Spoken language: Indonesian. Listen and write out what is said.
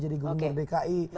jadi gunggul dki